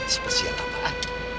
spesial apa pak